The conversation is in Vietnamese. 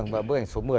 và bức ảnh số một mươi